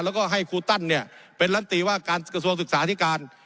แล้วก็ให้ครูตั้นเป็นลันตีว่าการส่วนศึกษาที่การ